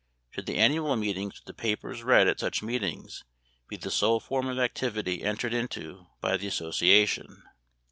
Should the annual meetings with the papers read at such meetings be the sole form of activity entered into by the association?